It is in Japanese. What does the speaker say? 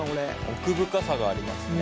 奥深さがありますね。